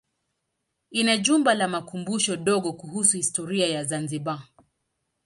Ina jumba la makumbusho dogo kuhusu historia ya Zanzibar.